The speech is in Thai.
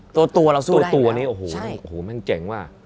ตัวเราสู้ได้เหมือนกันครับใช่โอ้โฮมันเจ๋งว่า